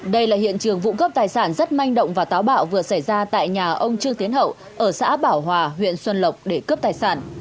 đây là hiện trường vụ cướp tài sản rất manh động và táo bạo vừa xảy ra tại nhà ông trương tiến hậu ở xã bảo hòa huyện xuân lộc để cướp tài sản